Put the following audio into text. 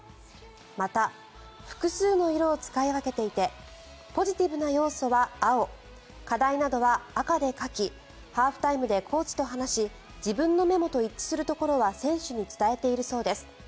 また、複数の色を使い分けていてポジティブな要素は青課題などは赤で書きハーフタイムでコーチと話し自分のメモと一致するところは選手に伝えているそうです。